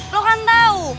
lo kan tau